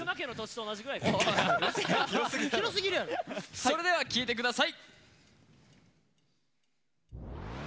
それでは聴いてください。